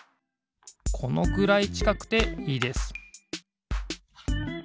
このくらいちかくていいです